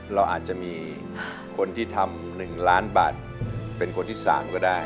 เราอาจจะมีคนที่ทำหนึ่งล้านบัตรเป็นคนที่สามก็ได้